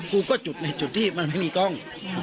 กูก็จุดในจุดที่มันไม่มีกล้อง